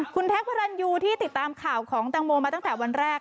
คุณแท็กพระรันยูที่ติดตามข่าวของแตงโมมาตั้งแต่วันแรก